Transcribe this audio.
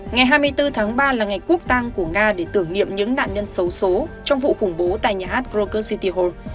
ngày hai mươi bốn tháng ba là ngày quốc tang của nga để tưởng niệm những nạn nhân xấu xố trong vụ khủng bố tại nhà hát rocket city hall